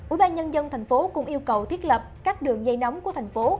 ủy ban nhân dân thành phố cũng yêu cầu thiết lập các đường dây nóng của thành phố